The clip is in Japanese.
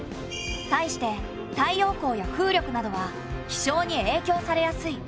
対して太陽光や風力などは気象にえいきょうされやすい。